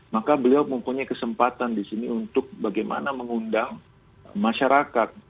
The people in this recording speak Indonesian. maka beliau mempunyai kesempatan di sini untuk bagaimana mengundang masyarakat